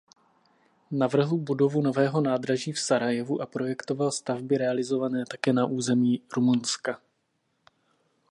Navrhl budovu nového nádraží v Sarajevu a projektoval stavby realizované také na území Rumunska.